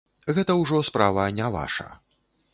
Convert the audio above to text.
Гэта ўжо справа не ваша.